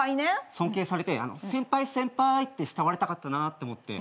尊敬されて「先輩先輩」って慕われたかったなって思って。